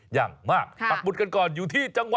อย่างมากปักบุตรกันก่อนอยู่ที่จังหวะ